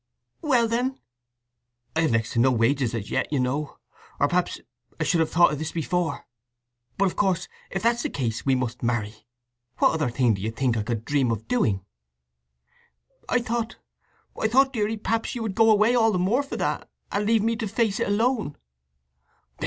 "Well then—" "I have next to no wages as yet, you know; or perhaps I should have thought of this before… But, of course if that's the case, we must marry! What other thing do you think I could dream of doing?" "I thought—I thought, deary, perhaps you would go away all the more for that, and leave me to face it alone!"